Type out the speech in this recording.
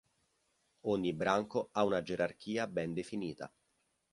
Ogni branco ha una gerarchia ben definita.